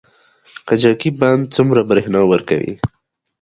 کجکي بند څومره بریښنا ورکوي؟